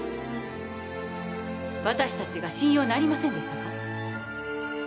私達が信用なりませんでしたか？